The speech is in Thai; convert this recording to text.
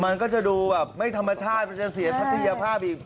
มันก็จะดูแบบไม่ธรรมชาติมันจะเสียทัศนียภาพอีก